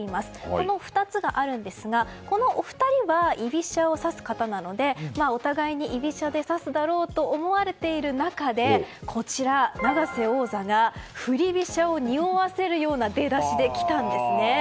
この２つがあるんですがこのお二人は居飛車を指す方なのでお互いに居飛車で指すだろうと思わせている中でこちら、永瀬王座が振り飛車をにおわせるような出だしで来たんですね。